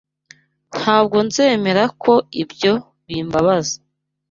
Ntabwo nzemera ko ibyo bimbabaza